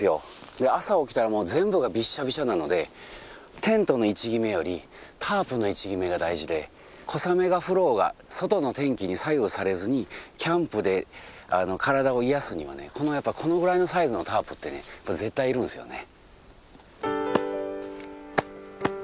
で朝起きたらもう全部がビッシャビシャなのでテントの位置決めよりタープの位置決めが大事で小雨が降ろうが外の天気に左右されずにキャンプで体を癒やすにはねやっぱこのぐらいのサイズのタープってね絶対要るんですよね。